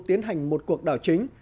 tiến hành một cuộc đảo chính